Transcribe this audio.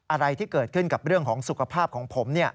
อะไรที่เกิดขึ้นกับเรื่องของสุขภาพของผม